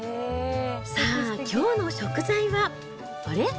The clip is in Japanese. さあ、きょうの食材は、あれ？